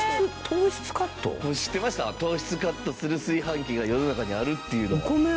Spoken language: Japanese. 糖質カットする炊飯器が世の中にあるっていうのは。